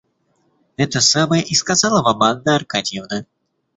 Это самое и сказала вам Анна Аркадьевна.